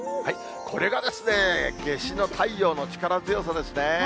これがですね、夏至の太陽の力強さですね。